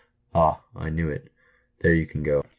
Ah ! I knew^it ! There, you can go."